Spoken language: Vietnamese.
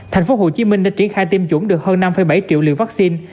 thành phố hồ chí minh đã triển khai tiêm chủng được hơn năm bảy triệu liều vaccine